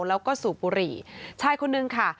แล้วก็สูบบุหรี่ชายคนนึงค่ะ